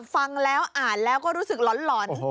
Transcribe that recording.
ฟังแล้วอ่านแล้วก็รู้สึกหล่อน